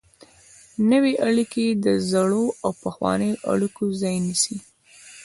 نوې اړیکې د زړو او پخوانیو اړیکو ځای نیسي.